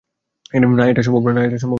না, এটা সম্ভব না।